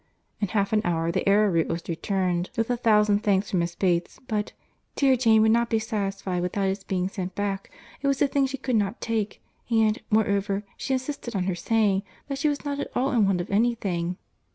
In half an hour the arrowroot was returned, with a thousand thanks from Miss Bates, but "dear Jane would not be satisfied without its being sent back; it was a thing she could not take—and, moreover, she insisted on her saying, that she was not at all in want of any thing."